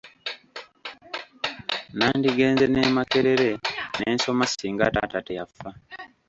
Nandigenze n'e Makerere ne nsoma ssinga taata teyafa!